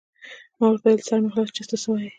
ما ورته وویل: سر مې خلاص شو، چې ته څه وایې.